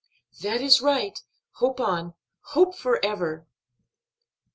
"That is right; hope on, hope ever."